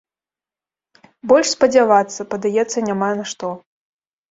Больш спадзявацца, падаецца, няма на што.